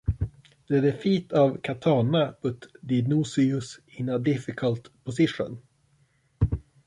The defeat at Catana put Dionysius in a difficult position.